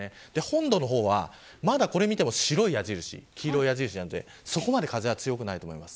本土の方は、まだこれを見ても白い矢印、黄色い矢印なのでそこまで風は強くないと思います。